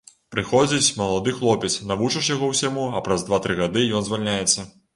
Прыходзіць малады хлопец, навучыш яго ўсяму, а праз два-тры гады ён звальняецца.